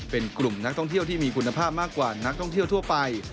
เป็นกลุ่มนักท่องเที่ยวที่มีคุณภาพมากกว่านักท่องเที่ยวทั่วไป